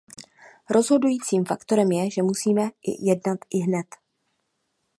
Rozhodujícím faktorem je, že musíme jednat ihned.